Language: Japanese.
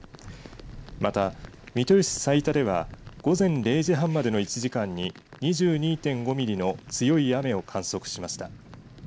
また三豊市財田では午前０時半までの１時間に２２．５ミリの強い雨を観測しました。